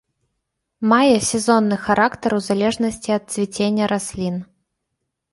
Мае сезонны характар у залежнасці ад цвіцення раслін.